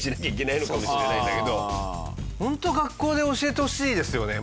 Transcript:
ホント学校で教えてほしいですよね